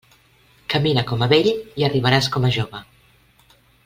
Camina com a vell i arribaràs com a jove.